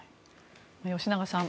吉永さん